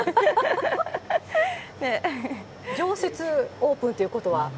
常設オープンということは？